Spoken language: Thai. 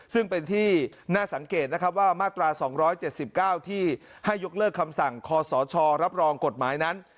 ซึ่งเป็นที่น่าสังเกตนะครับว่ามาตรา๒๗๙ที่ให้ยกเลิกคำสั่งคศรับรองกฎหมายนั้น